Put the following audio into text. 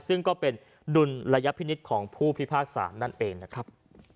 ซึ่งก็เป็นดุลระยะพินิษฐ์ของผู้พิพากษานั่นเองนะครับ